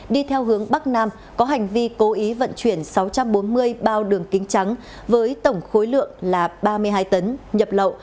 đi theo hướng bắc nam có hành vi cố ý vận chuyển sáu trăm bốn mươi bao đường kính trắng với tổng khối lượng là ba mươi hai tấn nhập lậu